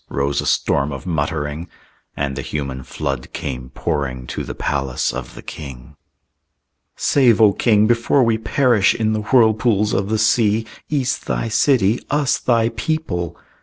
Rose a storm of muttering; And the human flood came pouring To the palace of the king. "Save, O king, before we perish In the whirlpools of the sea, Ys thy city, us thy people!"